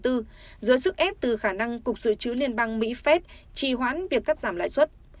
dưới sức ép từ khả năng cục dự trữ liên bang mỹ phép trì hoãn việc cắt giảm lãi suất